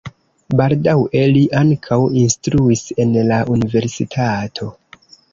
Baldaŭe li ankaŭ instruis en la universitato.